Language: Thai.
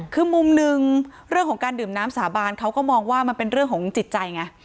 คือมุมหนึ่งเรื่องของการดื่มน้ำสาบานเขาก็มองว่ามันเป็นเรื่องของจิตใจไง